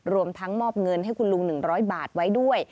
รวมทั้งมอบเงินให้คุณลุง๑๐๐บาทไว้ด้วย